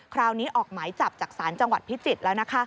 คราวนี้ออกไหมจับจากศพจมพิจิตรแล้ว